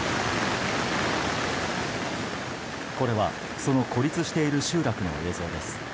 これは、その孤立している集落の映像です。